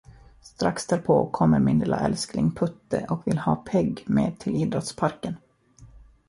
Strax därpå kommer min lilla älskling Putte och vill ha Pegg med till Idrottsparken.